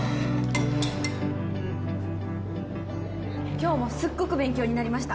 今日もすっごく勉強になりました。